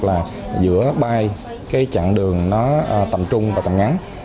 tức là giữa bay chặng đường tầm trung và tầm ngắn